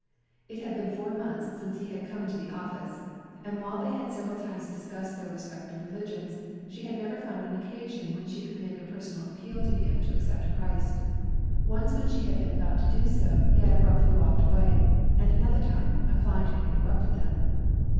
It had been four months since he had come into the office, and while they had several times discussed their respective religions, she had never found an occasion when she could make a personal appeal to him to accept Christ. Once when she had been about to do so, he had abruptly walked away, and another time, a client had interrupted them.